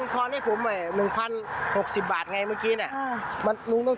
ตอนแรกหนุ่มเขาเดินหน้าก็บอกป๊าลี่อย่างเงี้ย